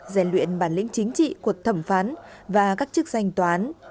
rèn luyện bản lĩnh chính trị của thẩm phán và các chức danh toán